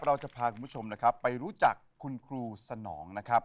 เราจะพาคุณผู้ชมนะครับไปรู้จักคุณครูสนองนะครับ